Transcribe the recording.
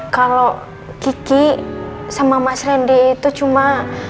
kalo kiki sama mas rendi itu cuma